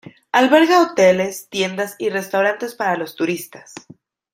Alberga hoteles, tiendas y restaurantes para los turistas.